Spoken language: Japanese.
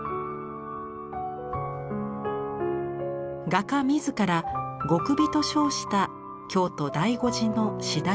画家自ら「極美」と称した京都醍醐寺のしだれ桜。